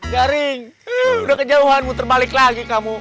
daring udah kejauhanmu terbalik lagi kamu